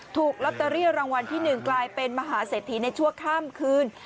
ถูกลอตเตอรี่รางวัลที่๑กลายเป็นมหาเศรษฐีในชั่วข้ามคืน